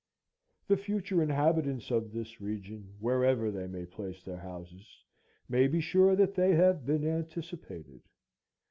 The future inhabitants of this region, wherever they may place their houses, may be sure that they have been anticipated.